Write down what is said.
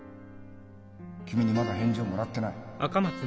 君にまだ返事をもらってない。